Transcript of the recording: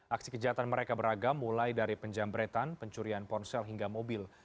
aksi kejahatan mereka beragam mulai dari penjambretan pencurian ponsel hingga mobil